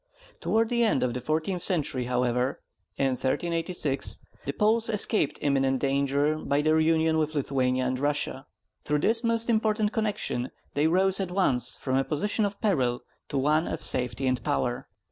Toward the end of the fourteenth century, however (1386), the Poles escaped imminent danger by their union with Lithuania and Russia. Through this most important connection they rose at once from a position of peril to one of safety and power.